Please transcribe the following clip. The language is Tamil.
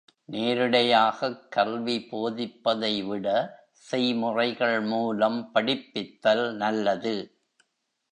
நேரிடையாகக் கல்வி போதிப்பதைவிட, செய்முறைகள் மூலம் படிப்பித்தல் நல்லது.